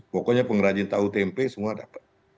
pokoknya pengrajin tahu tempe semua dapat